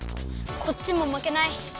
こっちもまけない！